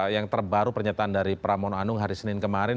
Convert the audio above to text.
yang terbaru pernyataan dari pramono anung hari senin kemarin